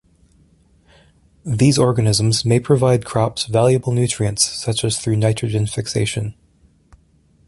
These organisms may provide crops valuable nutrients, such as through nitrogen fixation.